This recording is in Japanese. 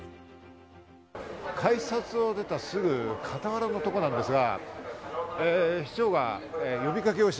改札を出てすぐ傍らのところなんですが。